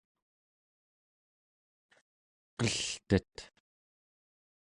qeltet